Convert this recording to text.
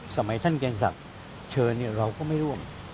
สมัยท่านเกรงศักดิ์เชิญเราก็ไม่ร่วม